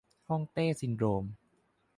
ฮ่องเต้ซินโดรม